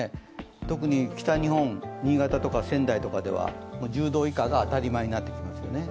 特に北日本、新潟とか仙台では１０度以下が当たり前になってきますよね。